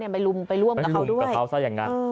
ไปรุมไปร่วมกับเขาด้วย